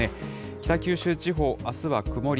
北九州地方あすは曇り。